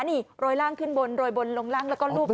นี่โรยร่างขึ้นบนโรยบนลงร่างแล้วก็รูป